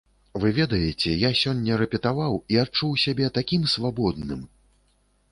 Вы ведаеце, я сёння рэпетаваў і адчуў сябе такім свабодным!